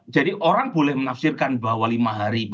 jadi orang boleh menafsirkan bahwa lima hari